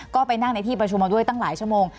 ก็ไปนั่งในที่ประชุมมาด้วยตั้งหลายชั่วโมง